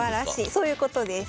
そういうことです。